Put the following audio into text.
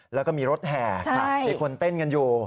แล้วก็มีรถแห่มีคนเต้นกันอยู่